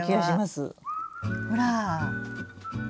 ほら！